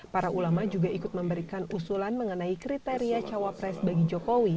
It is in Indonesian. para ulama juga ikut memberikan usulan mengenai kriteria cawapres bagi jokowi